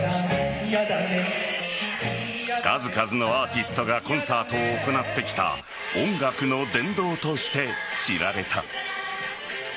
数々のアーティストがコンサートを行ってきた音楽の殿堂として知られた。